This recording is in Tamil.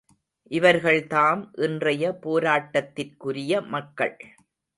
இவர்கள்தாம் இன்றைய போராட்டத்திற்குரிய மக்கள்.